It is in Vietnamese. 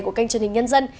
của kênh chương trình nhân dân